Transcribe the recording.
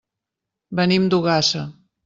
Venim d'Ogassa.